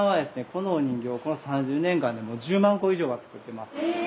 このお人形をこの３０年間で１０万個以上は作ってます。